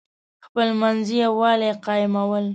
خپلمنځي یوالی قایمول.